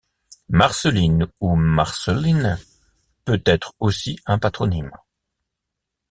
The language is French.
Marceline ou Marcelline peut être aussi un patronyme.